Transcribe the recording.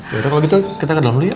yaudah kalau gitu kita ke dalam dulu ya